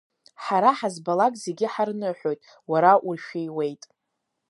Ҳара ҳазбалак зегьы ҳарныҳәоит, уара уршәиуеит.